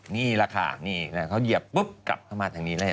นี่แหละค่ะนี่เขาเหยียบปุ๊บกลับเข้ามาทางนี้เลย